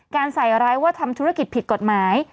ใส่ร้ายว่าทำธุรกิจผิดกฎหมาย